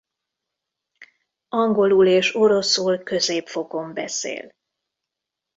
Angolul és oroszul középfokon beszél.